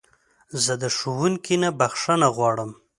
زه د ښوونکي نه بخښنه غواړم.